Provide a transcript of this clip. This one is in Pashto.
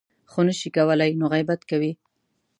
خو نه شي کولی نو غیبت کوي .